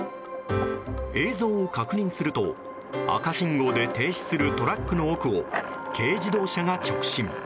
映像を確認すると赤信号で停止するトラックの奥を軽自動車が直進。